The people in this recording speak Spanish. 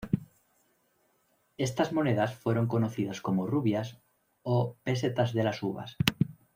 Estas monedas fueron conocidas como "rubias" o "pesetas de las uvas".